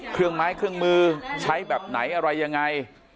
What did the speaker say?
เครื่องไม้เครื่องมือใช้แบบไหนอะไรยังไง